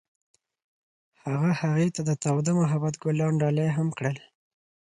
هغه هغې ته د تاوده محبت ګلان ډالۍ هم کړل.